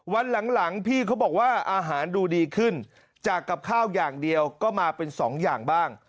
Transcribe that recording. วันหลังพี่เขาบอกว่าอาหารดูดีขึ้นจากกับข้าวอย่างเดียวก็มาเป็นสองอย่างบ้าง